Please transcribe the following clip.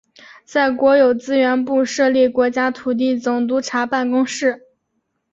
在国土资源部设立国家土地总督察办公室。